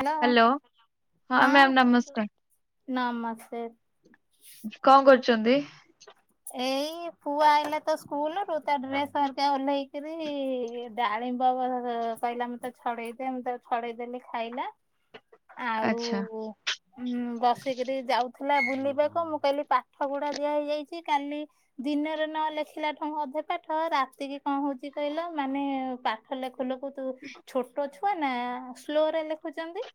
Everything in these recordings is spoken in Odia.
ହାଲୋ ହ୍ୟାଲୋ ମ୍ୟାମ୍ ହଁ ନମସ୍କାର ନମସ୍ତେ। ଛନ୍ତି। ଏଇ ପୁଅ ଆଇଲାତ ସ୍କୁଲରୁ ତା ଡ୍ରେସ ହେରୀକା ଓହ୍ଲେଇକରି ଡାଳିମ୍ବ କହିଲା ମତେ ଛଡେଇଦେ ମୁଁ ତାକୁ ଛଡେଇଦେଲି ଖାଇଲା। [unintelligible] ଆଚ୍ଛା ଆଉ ବସିକରି ଯାଉଥିଲା। ଥିଲା ବୁଲିବାକୁ ମୁଁ କହିଲି ପାଠ ଗୁଡ଼ା ଦିଆହେଇଯାଇଛି। ଚି କାଲି ଦିନରେ ନ ଲେଖିଲା ଠୁ ଅଧେ ପାଠ ରାତିକି କଣ ହଉଛି କହିଲ ମାନେ ପାଠ ଲେଖୁ ଲେଖୁ ତୁ ଛୋଟ ଛୁଆ ନା ସ୍ଲୋରେ ଲେଖୁଛନ୍ତି।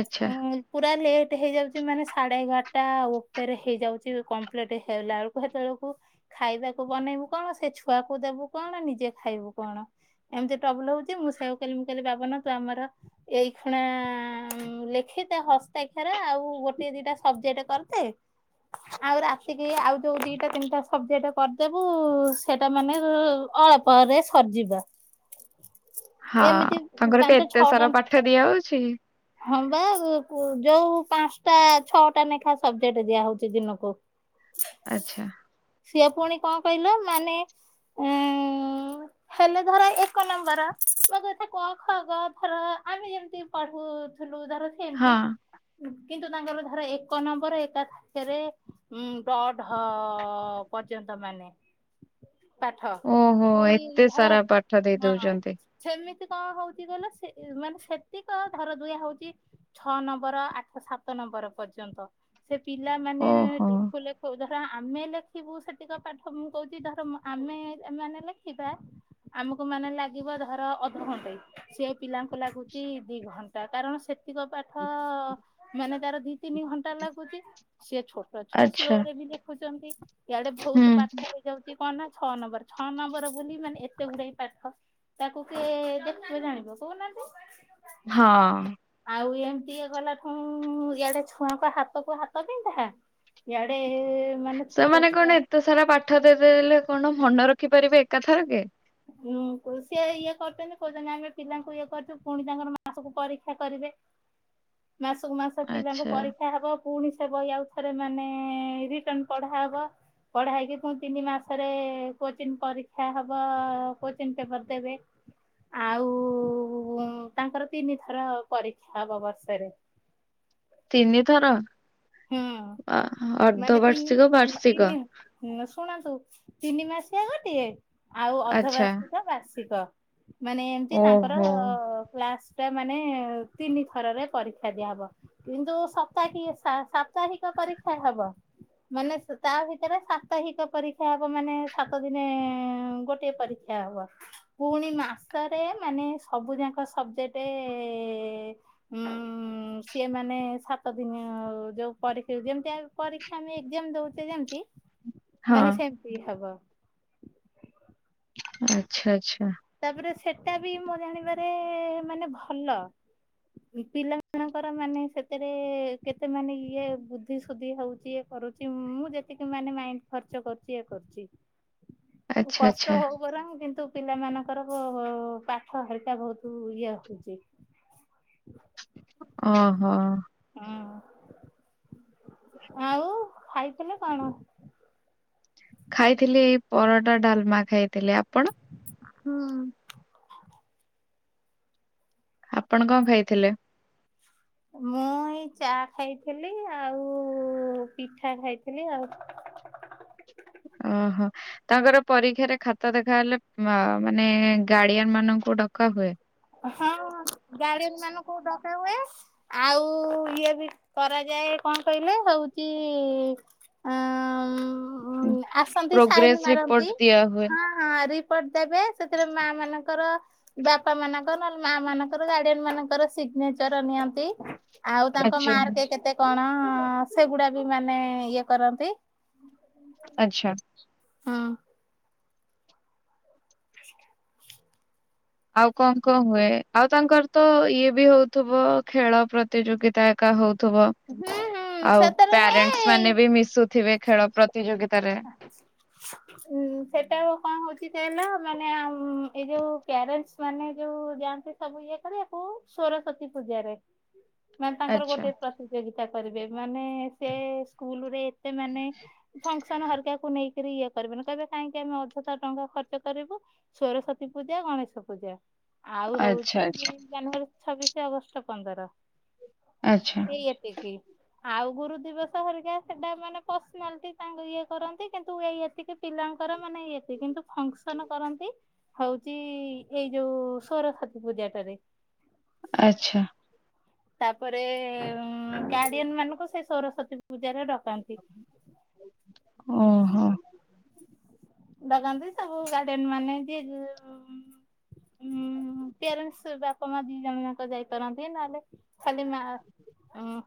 ଆଚ୍ଛା। ଉଁ ପୁରା ଲେ ଲେଟ ହେଇଯାଉଛି ମାନେ ସାଢେ ଏଗାରଟା ଉପେରେ ହେଇଯାଉଛି କମ୍ପ୍ଲିଟ୍। ହେଇଗଲାବେଳକୁ ହେତେବେଳକୁ ଖାଇବାକୁ ବନେଇବୁ କଣ ସେ ଛୁଆକୁ ଦେବୁ କଣ ନିଜେ ଖାଇବୁ କଣ? ଏମିତି ଟ୍ରବୁଲ ହଉଛି ମୁଁ ସେଉ କହିଲି ମୁଁ କହିଲି ବାବନ ତୁ ଆମର ଏଇ ଖୁଁଣା ଲେଖିଦେ ହସ୍ତାକ୍ଷର ଆଉ ଗୋଟେ ଦିଟା ସବଜେକ୍ଟ କରିଦେ ଆଉ ରାତିରେ ରାତିକି ଆଉ ଯୋଉ ଦିଟା ତିନିଟା ସବଜେକ୍ଟ କରିଦେବୁ ସେଇଟା ମାନେ ଇ ଅଳ୍ପରେ ସରି ଯିବ। ହଁ ତାଙ୍କର ପାଞ୍ଚ କଣ ଏତେ ସାର ଛଅଟା ପାଠ ଦିଆ ହଉଛି? ହଁ ବା କୁ ଯୋଉ ପାଞ୍ଚଟା ଛଅଟା ନେଖା ସବଜେକ୍ଟ୍ ଦିଆ ହଉଛି ଦିନକୁ। ଆଚ୍ଛା। ସିଏ ପୁଣି କଣ କହିଲ ମାନେ ଉଁ-ଉ-ଉ-ଉ ହେଲେ ଧର ଏକ ନମ୍ବର ତୁମ କଥା କ, ଖ, ଗ, ଘ, ର ଆମେ ଯେମିତି ପଢୁଥୁଲୁ। ଉଦ୍ଧାର ହଁ। ସେମିତି କିନ୍ତୁ ତାଙ୍କର ଧର ଏକ ନମ୍ବର ଏକା ଥାକେରେ ଉୁଁ ଡ ଢ ପର୍ଯ୍ୟନ୍ତ ମାନେ ପାଠ ଓହୋ ପୁଣି ଏତେ ଧର ସାରା ପାଠ ଦେଇ ହଁ ଦଉଚନ୍ତି। ସେମିତି କଣ ହଉଚି କଇଲ ସେ ମାନେ ସେତିକ ଧର ଦୁୟା ହଉଚି ଛଅ ନମ୍ବର ଆଠ ସାତ ନମ୍ବର ପର୍ଯ୍ୟନ୍ତ ସେ ପିଲାମାନେ ଓହୋ ଲେଖୁ ଧର ଆମେ ଲେଖିବୁ ସେତିକ ପାଠ ମୁଁ କଉଚି ଧର ମୋ ଆମେ ମାନେ ଲେଖିବା। ଆମକୁ ମାନେ ଲାଗିବ ଧର ଅଧଘଣ୍ଟେ ସେ ପିଲାଙ୍କୁ ଲାଗୁଚି ଦି ଘଣ୍ଟା କାରଣ ସେ ତିକ ପାଠ ମାନେ ତାର ଦି ତିନି ଘଣ୍ଟା ଲାଗୁଚି ସିଏ ଛୋଟ ଛୁଆ ସ୍ଲୋ ଆଚ୍ଛା ରେ ବି ଲେଖୁଚନ୍ତି ଇଆଡେ ହୁଁ। ବହୁତ ପାଠ ହେଇଯାଉଚି। କଣ ନା ଛଅ ନମ୍ବର ଛଅ ନମ୍ବର ବୋଲି ମାନେ ଏତେ ଗୁଡାଏ ପାଠ। ତାକୁ କିଏ ଦେଖିବେ ଜାଣିବ କହୁନାହାନ୍ତି? ହଁ। ଆଉ ଏମିତି ଇଏ କଲାଠଉଁ ଇଆଡେ ଛୁଆଙ୍କ ହାତ କୁ ହାତ ବିନ୍ଧା ଇଆଡ଼େ ସେମାନେ କଣ ଏତେ ସାରା ପାଠ ଦେବେ ହେଲେ କଣ ମନ ରଖିପାରିବେ ଏକା ଥରକେ? ଉଁ କୋଉ ସିଏ ଇଏ କରୁଚନ୍ତି କଉଚନ୍ତି ଆମେ ପିଲାଙ୍କୁ ଇଏ କରୁଚୁ ପୁଣି ତାଙ୍କର ମାସୁକୁ ପରୀକ୍ଷା କରିବେ। ମାସକୁ ମାସ ପିଲାଙ୍କୁ ଆଚ୍ଛା। ପରୀକ୍ଷା ହେବ। ପୁଣି ସେ ବହି ଆଉ ଥରେ ମାନେ ରିଟର୍ଣ୍ଣ ପଢାହବ। ପଢାହେଇକି ପୁଣି ତିନି ମାସରେ କୋଚିଂ ପରୀକ୍ଷା ହବ। କୋଚିନ ପେପର୍ ଦେବେ। ଆଉ ତାଙ୍କର ତିନି ଥର ପରୀକ୍ଷା ହବ ବର୍ଷରେ। ତିନି ଥର? ହୁଁ। ମାନେ ତିନି ବାର୍ଷିକ ତିନି ନା ସୁ ଶୁଣନ୍ତୁ ତିନି ମାସିଆ ଗୋଟିଏ ଆଉ ଅର୍ଦ୍ଧ ଆଚ୍ଛା ବାର୍ଷିକ ବାର୍ଷିକ। ମାନେ ଏମିତି ତାଙ୍କର ଓହୋ। କ୍ଲାସ୍। ଟା ମାନେ ତିନି ଥର ରେ ପରୀକ୍ଷା ଦିଆ ହବ କିନ୍ତୁ ସପ୍ତା [unintelligible] ସାପ୍ତାହିକ ପରୀକ୍ଷା ହବ। ମାନେ ତା ଭିତରେ ସାପ୍ତାହିକ ପରୀକ୍ଷା ହବ ମାନେ ସାତ ଦିନେ ଗୋଟିଏ ପରୀକ୍ଷା। କ୍ଷା ହବ ପୁଣି ମାସରେ ମାନେ ସବୁ ଯାକ ସବଜେକ୍ଟ ଏ ଉଁ ସିଏ ମାନେ ସାତ ଦିନ ଯୋଉ ପରୀକ୍ଷା କୁ ଯେମିତି ଆଗେ ପରୀକ୍ଷା ଆମେ ଏଗଜାମ୍ ଦଉଚେ ଜେମତି ହଁ ମାନେ ସେମତି ହବ। ଆଚ୍ଛା ଆଚ୍ଛା। ତା ପରେ ସେଟା ବି ମୋ ଜାଣିବାରେ ମାନେ ଭଲ। ପିଲାମାନଙ୍କର ମନେ ସେତିରେ କେତେ ମାନେ ଇଏ ବୁଦ୍ଧିସୁଦ୍ଧି ହଉଚି ଇଏ କରୁଚି ମୁଁ ଯେତିକି ମାନେ ମାଇଣ୍ଡ ଖର୍ଚ୍ଚ କରୁଚି ଇଏ କରୁଚି। ଆଚ୍ଛା କଷ୍ଟ ଆଚ୍ଛା ହଉ ବରଂ କିନ୍ତୁ ପିଲାମାନ ତାଙ୍କର ପାଠ ହେରିକ୍ ବହୁତ ଇଏ ହଉଚି। ଓ ହୋ। ଆଉ ଖାଇଥିଲ କଣ? ଖାଇଥିଲି ପରଟା ଡାଲମା ଖାଇଥିଲି। ଆପଣ? ହୁଁ। ଆପଣ କଣ ଖାଇଥିଲେ? ମୁଁ ମୁଁ ଏଇ ଚା ଖାଇଥିଲି ଆଉ ପିଠା ଖାଇଥିଲି ଆଉ। [inaudible] ଓହୋ ତାଙ୍କର ପରୀକ୍ଷାରେ ଖାତା ଦେଖା ହେଲେ ମାନେ ଗାଡ଼ିଆନ ମାନକୁ ଡକା ହୁଏ। ହଁ। ଗାଡ଼ିଆନ ମାନକୁ ଡକା ହୁଏ ଆଉ ଇଏ ବି କର ଯାଏ କଣ କହିଲ ହଉଚି ଆସନ୍ତି ସାଇନ ପ୍ରୋଗ୍ରେସ ମାରନ୍ତି। ରିପୋର୍ଟ ଦିଆ ହୁଏ ହଁ ହଁ ରିପୋର୍ଟ ଦେବେ ସେଥିରେ ମା ମାନଙ୍କର ବାପା ମାନଙ୍କର ନହେଲେ ମା ମାନଙ୍କର ଗାର୍ଡିଆନ ମାନଙ୍କର ସିଗ୍ନେଚର ନିଅନ୍ତି। ଆଉ ତାଙ୍କ ଆଚ୍ଛା ମା ର କେ କେତେ କଣ ନା ସେଗୁଡା ବି ମାନେ ଇଏ କରନ୍ତି। ଆଚ୍ଛା। ହଁ। ଆଉ କଣ କଣ ହୁଏ ଆଉ ତାଙ୍କର ତ ଇଏ ବି ହଉଥିବ ଖେଳ ପ୍ରତିଯୋଗିତା ଏକା ହଉ ଥ ହୁଁ ହୁଁ ଆଉ ସେଥିରେ ପ୍ୟାରେଣ୍ଟସ ହୁଏ ମାନେ ବି ମିଶୁଥିବେ ଖେଳ ପ୍ରତି ଉ ସେଟା କଣ ହଉଛି ସେ ନା ମାନେ ଏଇ ଯୋଉ ପ୍ୟାରେଣ୍ଟ ମାନେ ଯୋଉ ଯାଆନ୍ତି ସବୁ ଇଏ କରିବାକୁ ସରସ୍ଵତୀ ପୂଜାରେ ହଁ ମାନେ ତାଙ୍କର ଗୋଟେ ପ୍ରତିଯୋଗିତା କରିବେ ମାନେ ସେ ସ୍କୁଲ ରେ ମାନେ ାକୁ ନେଇକରି ଇଏ କରିବନ କହିବେ କାହିଁକି ଆମେ ଅଧଶାର ଟଙ୍କା ଖର୍ଚ୍ଚ କରିବୁ ସରସ୍ଵତୀ ପୂଜା ଗଣେଶ ପୂା ପୂଜା ଆଉ ଆଚ୍ଛା ହଉଛି ଆଚ୍ଛା ଜାନୁଆରୀ ଛବିଶ ଅଗଷ୍ଟ ପନ୍ଦର ଆଚ୍ଛା ଏଇ ଏତିକି ଆଉ ଗୁରୁ ଦିବସ ହେରିକା ସେଟା ମାନେ ପସନା ତା ଇଏ କରନ୍ତି କିନ୍ତୁ ଇ ଏତିକି ପିଲାଙ୍କର ମାନେ ଇଏତି କିନ୍ତୁ ଫଙ୍କସନ କରନ୍ତି। ହଉଚ ଏଇ ଯୋଉ ସରସ୍ଵତୀ ପୂଜା ଟାରେ ଆଚ୍ଛା। ତାପରେ କାଡିଅନ ମାନଙ୍କୁ ସେଷ ସରସ୍ଵତୀ ପୂଜାରେ ଡକାନ୍ତି। ଓ ହୋ। ଡଗାନ୍ତି ସବୁ ଗାର୍ଡିନ ମାନେ ଁ ପ୍ୟାରେଣ୍ଟ ବାପା ମା ଦି ଜଣ ଯଙ୍କ ଯାଇପାରନ୍ତି ନହେଲେ ଖଲିମା ଉଁ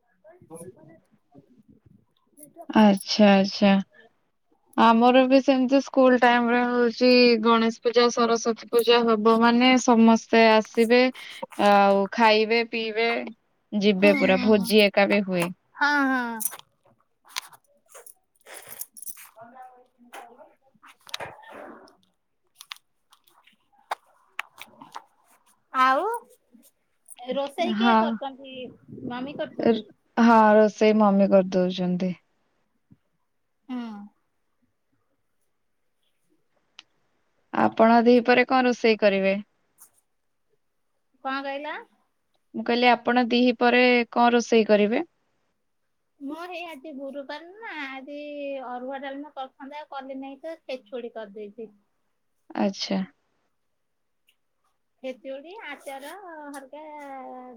[inaudible] ଆଚଛା ଆଚଛା ଆମର ବି ସେମିତି ସ୍କୁଲ ଟାଇମ ରେ ହଉଛି ଗଣେଶ ପୂଜା ସରସ୍ଵତୀ ପୂଜା ହବ ମାନେ ସମସ୍ତେ ସେ ଆସିବେ ଆଉ ଖାଇବେ ପିଇବେ ହୁଁ ଯିବେ ପୁରା ହୁଁ ଭୋଜି ଏକାବେ ହୁଏ। [inaudible] [inaudible] ଆଉ ରୋଷେଇ କିଏ ହଁ। କରୁଛନ୍ତି ମାମି କରୁଛନ୍ତି। ସେଇ ମାମି କରିଦଉଛନ୍ତି। ହୁଁ ଆପଣ ଦି ପରେ କଣ ରୋଷେଇ କରିବେ? କଣ କହିଲ? ମୁଁ କହିଲି ଆପଣ ଦିହି ପରେ କଣ ରୋଷେଇ କରିବେ? ହଁ ହେଇ ଆଜି ଗୁରୁ ବାର ନା ଆଜି ଅରୁଆ ଡାଲ କରିଥାନ୍ତା ଆଉ କଲି ନାଇଁ ତ ସେ ଖୁଡି କରି ଦେଇଛି। ଆଚ୍ଛା। ଖେଚୁଡି ଆଚାର ହରିକା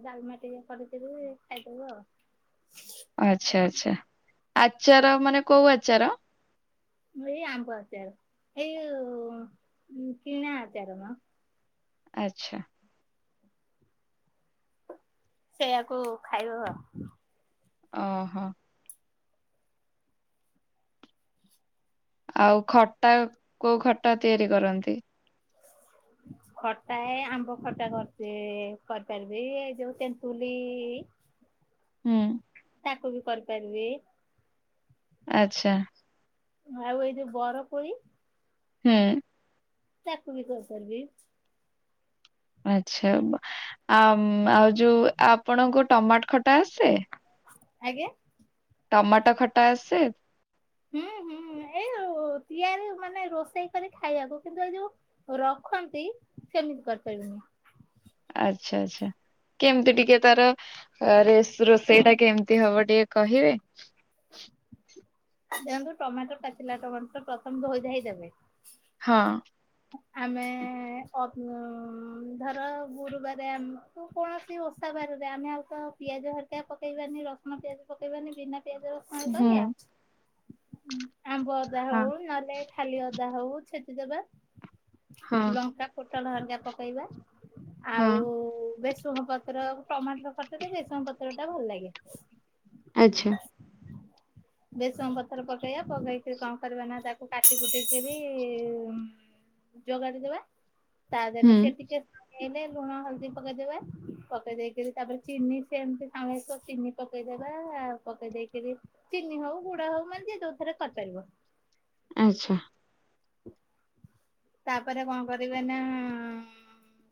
ଡାଲମା ଟିକେ କରିକିରି ଖାଇଦେଲୁ ଆଉ। ଆଚ୍ଛା ଆଚ୍ଛା ଆଚାର ମାନେ କୋଉ ଆଚାର? ଏଇ ଆମ୍ବ ଅଚାର ଏଇ କିଣା ଅଚାର ଆଚ୍ଛା। ସେଇଆକୁ ଖାଇହବ ଅ ହଁ। ଆଉ ଖଟା କୋଉ ଖଟା ତିଆରି କରନ୍ତି? [inaudible] ଖଟା ଏ ଆମ୍ବ ଖଟା କରଛି କରିପାରିବି ଏ ଯୋଉ ତେନ୍ତୁଲି ହୁଁ। ତାକୁ ବି କରିପାରିବି। ଆଚ୍ଛା। ଆଉ ଏଇ ଯୋଉ ବରକୋଳି ହୁଁ। ତାକ ବି କରିପାରିବି। ଆଚ୍ଛା ଆ ଆଉ ଯୋଉ ଆପଣଙ୍କୁ ଟମାଟ ଖଟା ଆସେ? ଆଜ୍ଞା। ଟମାଟା ଖଟା ଆସେ? [inaudible] ଓ ତିଆର ମାନେ ରୋଷେଇ କରି ଖାଇବାକୁ କିନ୍ତୁ ଏ ଯୋଉ ରଖନ୍ତି ସେମିତି କରିପାରିନି। ହ [inaudible] ଆଚ୍ଛା ଆଚ୍ଛା। କେମତି ଟିକେ ତାର ରୋଷେଇ ଟା କେମିତି ହବ ଟିକେ କହିବେ? ହ [unintelligible] ଦେଖନ୍ତୁ ଟମାଟୋ ପାଚିଲା ଟମାଟୋ ପ୍ରଥମେ ଧୋଇ ଧାଇଁ ହୋଇଦେବେ ହଁ। ଆମେ ଅ ଧର ଗୁରୁବାର ଆମ କୌଣସି ଓଷା ରେ ଆମେ ଆଉ ତ ପିଆଜ ହେରିକା ପକେଇବାନି ରସୁଣ ପିଆଜ ପକେଇବାନି ବିନା ପିଆଜ କୁ କଣ ହୁଁ। କରିବା ଆମ୍ବ ଅଦା ହଁ ହୋଉ ନହେଲେ ଖାଲି ଅଦା ହୋଉ ଛେଚି ଦବା ହଁ ଲଙ୍କା ଫୁ ରସୁଣ ହରିକା ପକେଇବା ହଁ ଆଉ ବେସୁମ ପତ୍ର ଟମାଟର ଖଟା ତ ବେସନ ପତ୍ର ଟା ଭଲ ଲାଗେ। ଆଚ୍ଛା। ଭେସୁଙ୍ଗା ପତର ପକେଇବା ପକେଇକି କଣ କରିବା ନା ତାକୁ କାଟି କୁଟିକିରି ଯୋଗାଡି ଦେବା ତା ଦେହରେ ହୁଁ ସେ ଟିକେ ଏଇଲେ ଲୁଣ ହଳଦୀ ପକେଇଦବେ ପକେଇ ଦେଇକରି ତାପରେ ଚିନି ସେମତି ସାସ ଚିନି ପକେଇଦେବେ ପକେଇ ଦେଇକିରି ଚିନି ହଉ ଗୁଡ ହଉ ମାନେ ଯିଏଯଉଥରେ କରିପାରିବ ଆଚ୍ଛା। [inaudible] ତାପରେ କଣ କରିବେ ନା ଉଁ ମ୍ ମ୍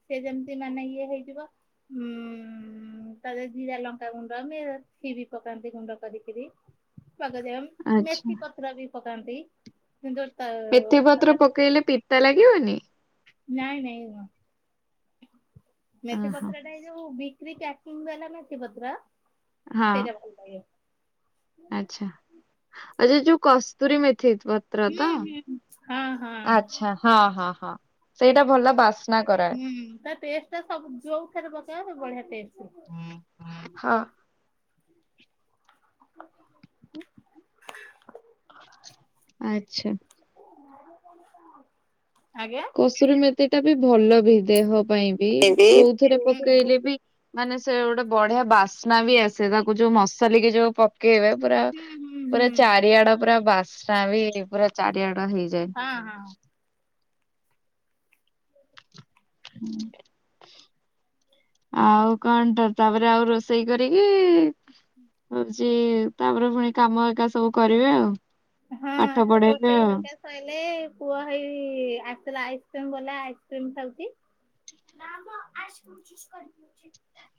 ସେ ଯେମିତି ମାନେ ଇଏ ହେଇଯିବ ଉଁ ମ୍ ମ୍ ମ୍ ତା ଜିରା ଲଙ୍କା ଗୁଣ୍ଡ ମେଥି ବି ପକାନ୍ତି ଗୁଣ୍ଡ କରିକିରି ପ ଆଚ୍ଛା। ମେଥି ପତ୍ର ବି ପକାନ୍ତି। କିନ୍ତୁ ତା ମେଥି ପତ୍ର ଖଟା ପକେଇଲେ ପିତା ଲାଗିବନି? ନାଇଁ ନାଇଁ। ମେଥି ଓହୋ ପତ୍ର ଟା ଏ ଯୋଉ ବିକ୍ରି ପକିଂ ବାଲା ମେଥି ପତ୍ର? ସେବା [unintelligible] ଆଛା ଆ ଯ ଯୋଉ କସ୍ତୁରୀ ମେ ଥି ପତ୍ର ହୁଁ ତ ହୁଁ ହଁ ହଁ ଆଛା ହଁ ହଁ ହଁ ସେଇଟା ଭଲ ବାସ ହୁଁ ତା ଟେଷ୍ଟ ଟା ସବୁ ଯୋଉଠରେ ପକେଇବା ବଢିଆ ଟେଷ୍ଟ ହଁ ଆଚ୍ଛା [inaudible] କସୁରୀ ମେଥିଟା ବି ଭଲ ବି ଦେହ ପାଇଁ ବି ହୁଁ ହୁଁ ଯଉଥରେ ହୁଁ ପକେଇଲେ ବି ମାନେ ସେ ଗୋଟେ ବଢିଆ ବାସ୍ନା ବି ଆସେ ତାକୁ ଯୋଉ ମସଲିକ ଯୋଉ ପକେଇବେ ପୁରା ହୁଁ ପୁରା ଚାରିଆଡେ ପୁରା ବାସ୍ ନାବି ପୁରା ଚାରିଆଡେ ହଁ ହଁ ହୁଁ। ଆଉ କଣ ତ ତାପରେ ଆଉ ରୋଷେଇ କରିକି ହଉଛି ତାପରେ ପୁଣି କାମ ଏକା ସବୁ କରିବେ ଆଉ। ହଁ ପାଠ ପଢେଇବେ ରୋଷେଇ ଆଉ। ହରକା ସଇଲେ ପୁଅ ହେଇ ଆସିଲା ଆଇସ୍କ୍ରିମ ଗଲା ଆଇସ୍କ୍ରିମ ଖାଉଛି। ନା ମ [unintelligible]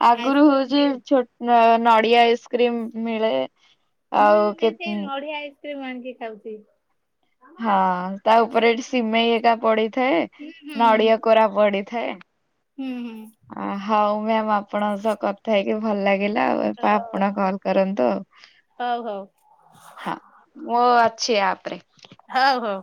ଆଗରୁ ହେଉଛି ଛୁ ନଡିଆ ଆଇସ୍କ୍ରିମ ମିଳେ। ହୁଁ ଆଉ ଏଇ କେ ସେଇ ଉଁ। [unintelligible] ଖାଉଛି। ହଁ ତା ଓପରେ ଏଠି ସିମେଇ ଏଟା ପଡିଥାଏ ହୁଁ ହୁଁ ନଡ଼ିଆ କୋରା ପଡି ଥେ। ହୁଁ ହୁଁ ହଉ ମ୍ୟାମ ଆପଣଙ୍କ ସହ କଥା ହେଇକି ଭଲ ଲ ହେଲା ଆଉ ଏପ ଆପଣ କଲ କରନ୍ତୁ ଆଉ। ହଉ ହଉ ହଁ ମୁଁ ଅଛି ଆପ ହୋ ହଉ।